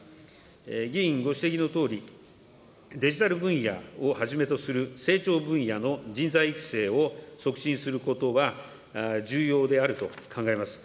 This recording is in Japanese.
議員ご指摘のとおり、デジタル分野をはじめとする成長分野の人材育成を促進することは重要であると考えます。